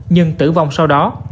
nhưng tử vong sau đó